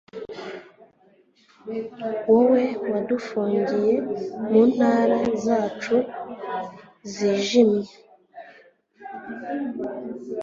wowe wadufungiye mu ntara zacu zijimye